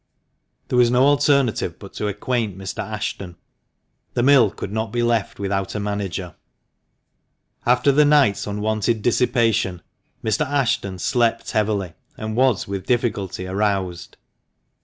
There was no alternative but to acquaint Mr. Ashton. The mill could not be left without a manager. After the night's unwonted dissipation, Mr. Ashton slept heavily, and was with difficulty aroused.